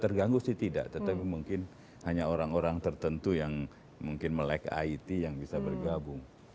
terganggu sih tidak tetapi mungkin hanya orang orang tertentu yang mungkin melek it yang bisa bergabung